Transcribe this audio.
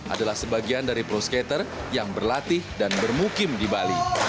adalah sebagian dari pro skater yang berlatih dan bermukim di bali